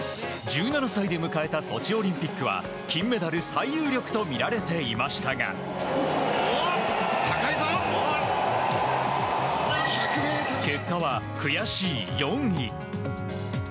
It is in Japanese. １７歳で迎えたソチオリンピックは金メダル最有力とみられていましたが結果は悔しい４位。